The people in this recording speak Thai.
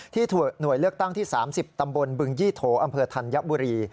หน่วยเลือกตั้งที่๓๐ตำบลบึงยี่โถอำเภอธัญบุรี